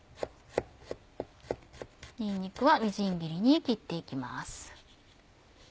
にんにくはみじん切りに切っていきます。